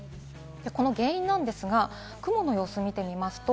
この原因なんですが、雲の様子を見てみます。